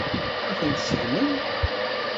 Ad tent-seggmen?